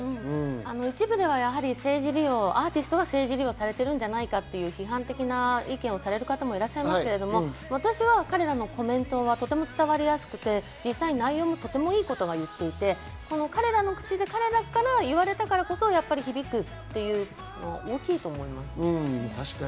一部ではアーティストなのに政治利用されているんじゃないかと、批判的な意見をされる方もいますが、私は彼らのコメントはとても伝わりやすくて実際、内容もいいことを言っていて、彼らの口で彼らから言われたからこそ響くということは大きいと思います。